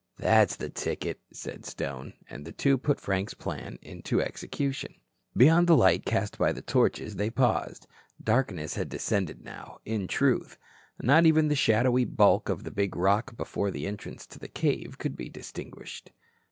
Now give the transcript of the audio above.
"That's the ticket," said Stone, and the two put Frank's plan into execution. Beyond the light cast by the torches they paused. Darkness had descended now, in truth. Not even the shadowy bulk of the big rock before the entrance to the cave could be distinguished.